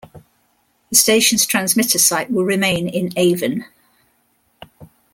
The station's transmitter site will remain in Avon.